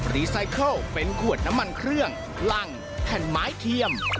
รีไซเคิลเป็นขวดน้ำมันเครื่องรังแผ่นไม้เทียม